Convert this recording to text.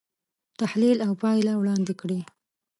تحلیل او پایله وړاندې کړي.